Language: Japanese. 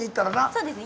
そうですね。